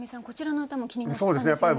こちらの歌も気になったんですよね？